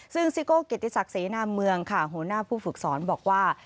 ซึ่งซิโก้เกียรติศักดิ์เสนาเมืองค่ะหัวหน้าผู้ฝึกสอนบอกว่า